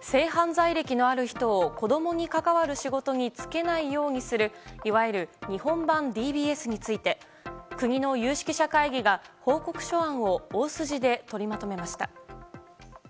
性犯罪歴のある人を子供に関わる仕事に就けないようにするいわゆる日本版ＤＢＳについて国の有識者会議が報告書案を大筋で取りまとめました。